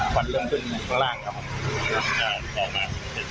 ขวัญเริ่มขึ้นทางล่างนะครับ